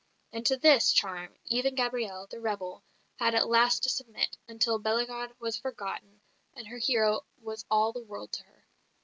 And to this charm even Gabrielle, the rebel, had at last to submit, until Bellegarde was forgotten, and her hero was all the world to her.